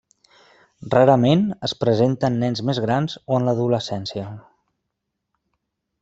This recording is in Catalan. Rarament es presenta en nens més grans o en l’adolescència.